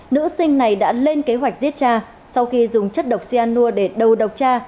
nữ sinh này đã lên kế hoạch giết cha sau khi dùng chất độc cyanur để đầu độc cha